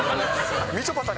みちょぱさん？